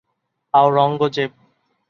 Aurangzeb